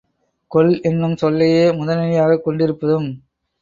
கொள் என்னும் சொல்லையே முதனிலையாகக் கொண்டிருப்பதும்